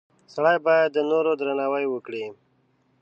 • سړی باید د نورو درناوی وکړي.